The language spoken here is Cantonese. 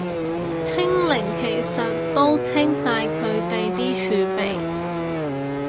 清零其實都清晒佢哋啲儲備